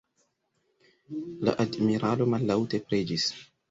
La admiralo mallaŭte preĝis.